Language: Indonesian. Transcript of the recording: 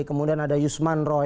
kemudian ada yusman roy